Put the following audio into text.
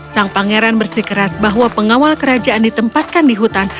sang pangeran bersikeras bahwa pengawal kerajaan ditempatkan di hutan